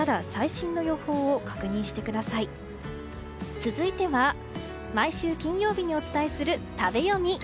続いては、毎週金曜日にお伝えする食べヨミ。